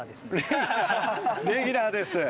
レギュラーです。